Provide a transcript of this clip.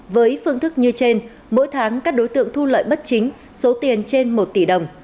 với phương thức như trên mỗi tháng các đối tượng thu lợi bất chính số tiền trên một tỷ đồng